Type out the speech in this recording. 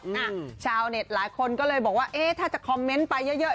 ชาวเน็ตหลายคนก็เลยบอกว่าเอ๊ะถ้าจะคอมเมนต์ไปเยอะเยอะ